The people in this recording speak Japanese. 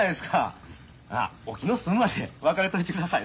まっお気の済むまで別れといてください